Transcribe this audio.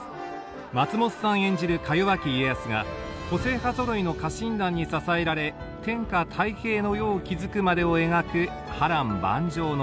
松本さん演じるかよわき家康が個性派ぞろいの家臣団に支えられ天下太平の世を築くまでを描く波乱万丈の物語です。